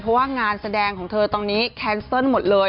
เพราะว่างานแสดงของเธอตอนนี้แคนเซิลหมดเลย